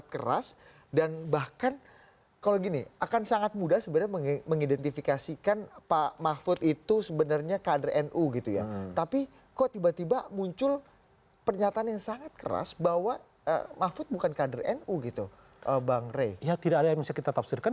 jelang penutupan pendaftaran